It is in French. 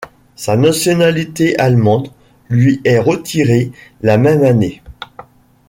Sa nationalité allemande lui est retirée la même année.